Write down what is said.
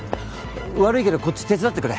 悪いけどこっち手伝ってくれ。